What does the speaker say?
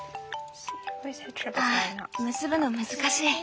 ああ結ぶの難しい。